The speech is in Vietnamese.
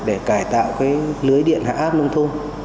để cải tạo cái lưới điện hạ áp nông thôn